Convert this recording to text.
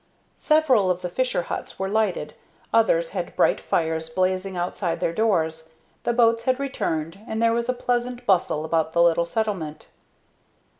Several of the fisher huts were lighted, others had bright fires blazing outside their doors. The boats had returned, and there was a pleasant bustle about the little settlement.